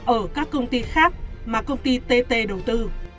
ở các công ty khác mà công ty tt đầu tư